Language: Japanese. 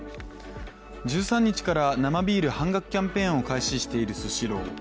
１３日から生ビール半額キャンペーンを開始しているスシロー。